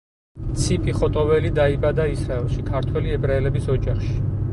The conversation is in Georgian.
ციპი ხოტოველი დაიბადა ისრაელში, ქართველი ებრაელების ოჯახში.